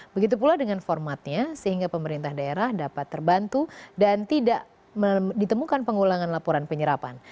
begitu pula dengan formatnya sehingga pemerintah daerah dapat terbantu dan tidak ditemukan pengulangan laporan penyerapan